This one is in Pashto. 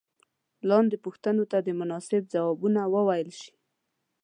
لاندې پوښتنو ته دې مناسب ځوابونه وویل شي.